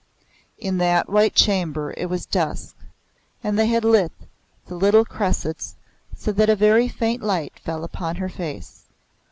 In that white chamber it was dusk, and they had lit the little cressets so that a very faint light fell upon her face.